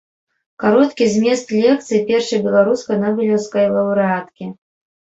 Кароткі змест лекцыі першай беларускай нобелеўскай лаўрэаткі.